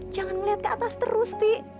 jangan ngeliat ke atas terus ti